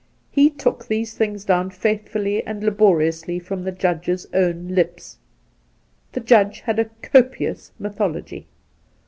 He took these things down faithfully and laboriously from the Judge's own lips. The Judge had a copious mythology.